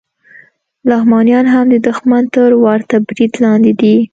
لغمانیان هم د دښمن تر ورته برید لاندې دي